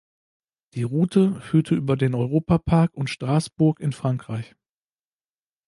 Die Route führte über den Europa-Park und Straßburg in Frankreich.